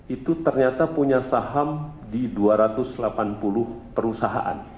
itu ternyata punya saham di dua ratus delapan puluh perusahaan